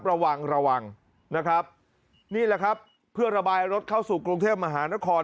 ระวังระวังนะครับนี่แหละครับเพื่อระบายรถเข้าสู่กรุงเทพมหานคร